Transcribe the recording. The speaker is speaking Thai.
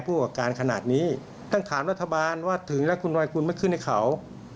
ผู้กับการขนาดนี้ต้องถามรัฐบาลว่าถึงแล้วคุณรอยคุณไม่ขึ้นให้เขา